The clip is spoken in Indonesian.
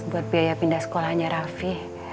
buat biaya pindah sekolahnya rafi